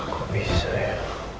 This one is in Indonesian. kok bisa ya